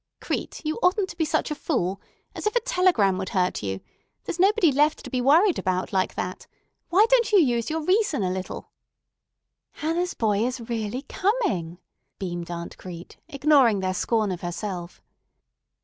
"Crete, you oughtn't to be such a fool. As if a telegram would hurt you! There's nobody left to be worried about like that. Why don't you use your reason a little?" "Hannah's boy is really coming!" beamed Aunt Crete, ignoring their scorn of herself.